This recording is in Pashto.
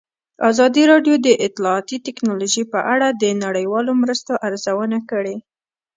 ازادي راډیو د اطلاعاتی تکنالوژي په اړه د نړیوالو مرستو ارزونه کړې.